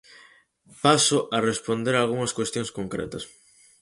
Paso a responder algunhas cuestións concretas.